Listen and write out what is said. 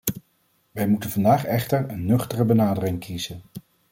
Wij moeten vandaag echter een nuchtere benadering kiezen.